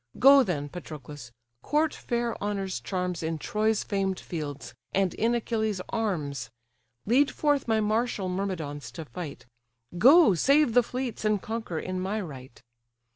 Go then, Patroclus! court fair honour's charms In Troy's famed fields, and in Achilles' arms: Lead forth my martial Myrmidons to fight, Go save the fleets, and conquer in my right.